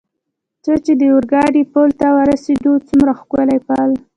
څو چې د اورګاډي پل ته ورسېدو، څومره ښکلی پل.